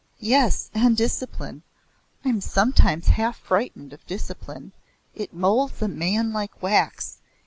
"Yes, and discipline. I'm sometimes half frightened of discipline. It moulds a man like wax.